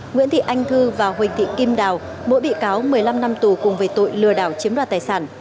nguyễn thị anh thư và huỳnh thị kim đào mỗi bị cáo một mươi năm năm tù cùng về tội lừa đảo chiếm đoạt tài sản